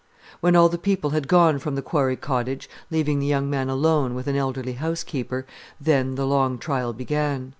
When all the people had gone from the Quarry Cottage, leaving the young man alone with an elderly housekeeper, then the long trial began.